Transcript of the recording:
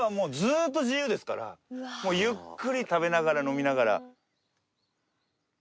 もうゆっくり食べながら飲みながら。